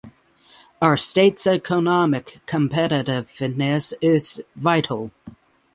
Our state’s economic competitiveness is vital.